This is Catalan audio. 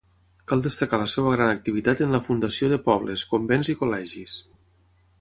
Cal destacar la seva gran activitat en la fundació de pobles, convents i col·legis.